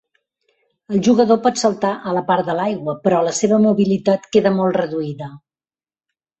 El jugador pot saltar a la part de l'aigua, però la seva mobilitat queda molt reduïda.